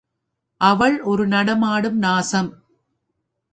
அவள் ஓர் நடமாடும் நாசம்!